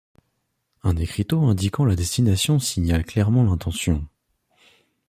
Un écriteau indiquant la destination signale clairement l'intention.